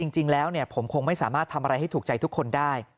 จริงแล้วผมคงไม่สามารถทำอะไรให้ถูกใจทุกคนได้